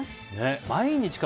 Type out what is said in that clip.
毎日か。